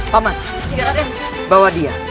paman bawa dia